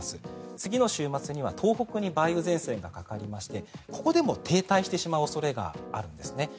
次の週末には東北に梅雨前線がかかりましてここでも停滞してしまう恐れがあるんです。